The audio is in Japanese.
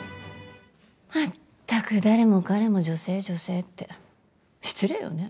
全く誰も彼も女性女性って失礼よね？